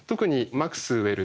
マクスウェル。